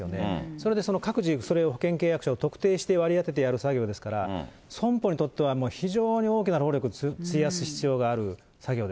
それで各自、それ、保険契約者を特定して割り当ててやる作業ですから、損保にとってはもう非常に大きな労力費やす必要がある作業